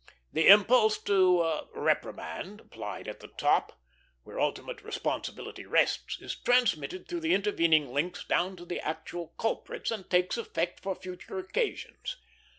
The impulse of reprimand, applied at the top, where ultimate responsibility rests, is transmitted through the intervening links down to the actual culprits, and takes effect for future occasions.